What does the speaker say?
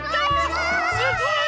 わすごい！